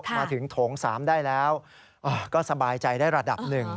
มาถึงโถง๓ได้แล้วก็สบายใจได้ระดับหนึ่ง